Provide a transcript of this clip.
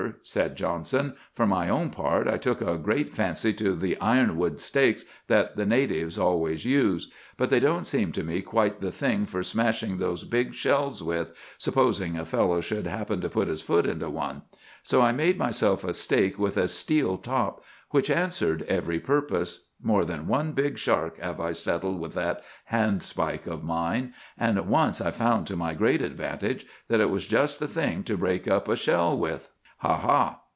said Johnson. 'For my own part, I took a great fancy to the ironwood stakes that the natives always use. But they didn't seem to me quite the thing for smashing those big shells with, supposing a fellow should happen to put his foot into one. So I made myself a stake with a steel top, which answered every purpose. More than one big shark have I settled with that handspike of mine; and once I found, to my great advantage, that it was just the thing to break up a shell with.' "'Ha, ha!